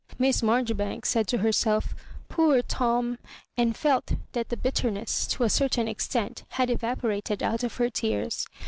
Miss Marjoribanks said to herself " Poor Tom!" and felt that the bitterness, to a certain extent, had evaporated out of her tears.